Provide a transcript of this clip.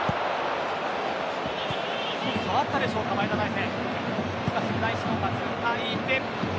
触ったでしょうか前田大然。